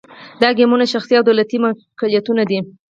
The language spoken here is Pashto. دا کیمپونه شخصي او دولتي ملکیتونه دي